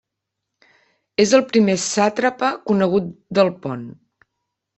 És el primer sàtrapa conegut del Pont.